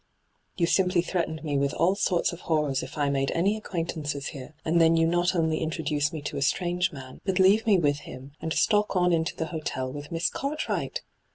' You simply threatened me with all sortH of horrors if I made any acquaintances here, and then you not only introduce me to a strange man, but leave me with htm, and stalk on into ttie hotel with Miss Cartwright